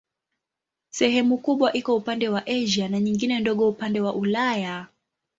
Sehemu kubwa iko upande wa Asia na nyingine ndogo upande wa Ulaya.